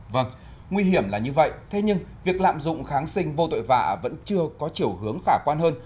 vâng nguy hiểm là như vậy thế nhưng việc lạm dụng kháng sinh vô tội vạ vẫn chưa có chiều hướng khả quan hơn